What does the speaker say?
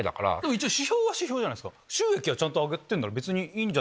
一応指標は指標じゃないですか。